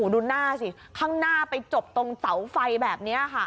ดูหน้าสิข้างหน้าไปจบตรงเสาไฟแบบนี้ค่ะ